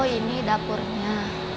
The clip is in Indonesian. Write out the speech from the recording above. oh ini dapurnya